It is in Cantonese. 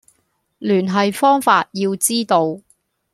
聯繫方法要知道